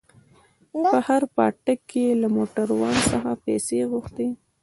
په هر پاټک کښې يې له موټروان څخه پيسې غوښتې.